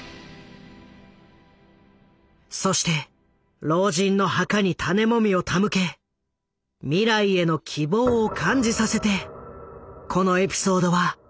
そして老人の墓に種モミを手向け未来への希望を感じさせてこのエピソードは幕を閉じる。